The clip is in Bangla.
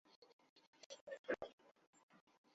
শুধু কার্য-কারণ-শৃঙ্খলা অনন্তকাল থাকিলে নির্বাণ লাভ অসম্ভব হইত।